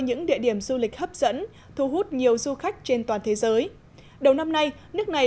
những địa điểm du lịch hấp dẫn thu hút nhiều du khách trên toàn thế giới đầu năm nay nước này